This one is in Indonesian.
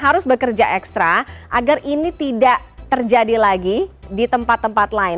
harus bekerja ekstra agar ini tidak terjadi lagi di tempat tempat lain